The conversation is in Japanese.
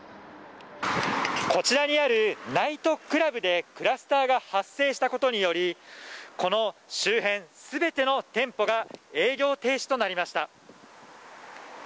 こちらにあるナイトクラブでクラスターが発生したことによりこの周辺全ての店舗が営業停止となりました。